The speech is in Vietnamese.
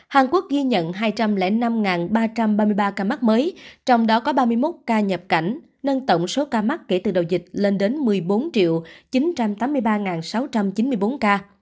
hàn quốc ghi nhận hai trăm linh năm ba trăm ba mươi ba ca mắc mới trong đó có ba mươi một ca nhập cảnh nâng tổng số ca mắc kể từ đầu dịch lên đến một mươi bốn chín trăm tám mươi ba sáu trăm chín mươi bốn ca